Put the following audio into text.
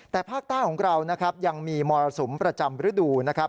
แต่ภาคใต้ของเรานะครับยังมีมรสุมประจำฤดูนะครับ